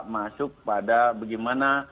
masuk pada bagaimana